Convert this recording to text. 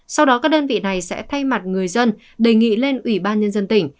sau đó các đơn vị này sẽ thay mặt người dân đề nghị lên ubnd tỉnh